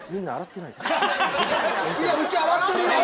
いやうち洗ってるよ！